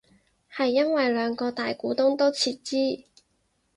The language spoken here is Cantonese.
係因為兩個大股東都撤資